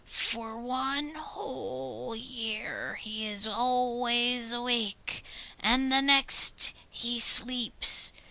For one whole year he is always awake, and the next he sleeps.